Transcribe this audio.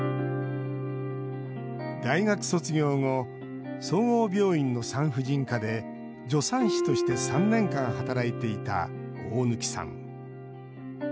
大学卒業後、総合病院の産婦人科で、助産師として３年間、働いていた大貫さん。